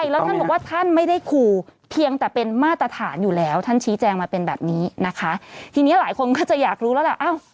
แล้วท่านบอกว่าท่านไม่ได้ขู่เพียงแต่เป็นมาตรฐานอยู่แล้วท่านชี้แจงมาเป็นแบบนี้นะคะทีนี้หลายคนก็จะอยากรู้แล้วล่ะ